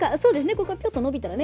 ここがぴゅっと伸びたらね。